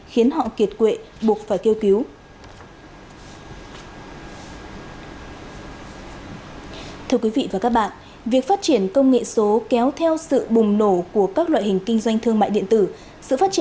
khiến họ kiệt quệ buộc phải kêu cứu